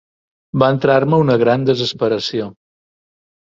Va entrar-me una gran desesperació.